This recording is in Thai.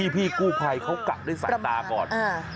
พี่กู้ไพเขากัดได้ใส่ตาก่อน